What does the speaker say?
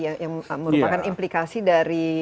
yang merupakan implikasi dari